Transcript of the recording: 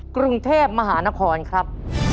กรุงเทพมหานครครับ